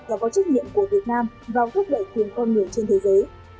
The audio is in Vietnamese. và có trách nhiệm của việt nam vào thúc đẩy quyền con người trên thế giới